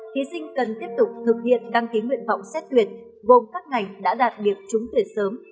thí sinh cần tiếp tục thực hiện đăng ký nguyện vọng xét tuyển gồm các ngành đã đạt điểm trúng tuyển sớm